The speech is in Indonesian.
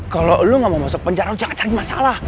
kalau lu gak mau masuk penjara jangan cari masalah